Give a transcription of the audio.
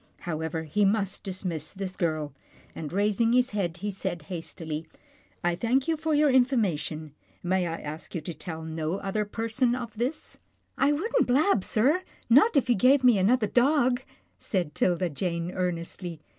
However, he must dismiss this girl, and, raising his head, he said hastily, " I thank you for your in formation. May I ask you to tell no other person of this?" 70 'TILDA JANE'S ORPHANS " I wouldn't blab, sir, not if you gave me another dog," said 'Tilda Jane earnestly.